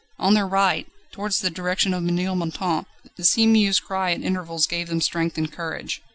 On their right, towards the direction of Ménilmontant, the sea mew's cry at intervals gave the strength and courage.